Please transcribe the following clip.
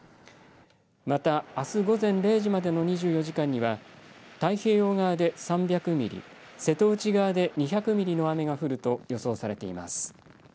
また、あす午前０時までの２４時間には太平洋側で３００ミリ、瀬戸内側で２００ミリの雨が降ると予想されています。